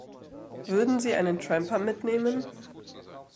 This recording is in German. Würden Sie einen Tramper mitnehmen?